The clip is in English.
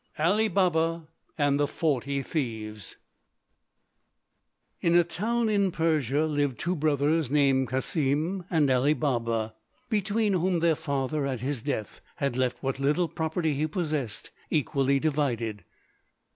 ALI BABA AND THE FORTY THIEVES In a town in Persia lived two brothers named Cassim and Ali Baba, between whom their father at his death had left what little property he possessed equally divided.